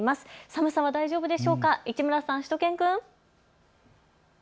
寒さは大丈夫でしょうか、市村さん、しゅと犬くん。